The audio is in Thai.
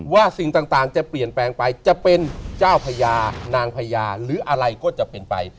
สิ่งต่างจะเปลี่ยนแปลงไปจะเป็นเจ้าพญานางพญาหรืออะไรก็จะเป็นไป